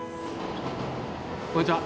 こんにちは。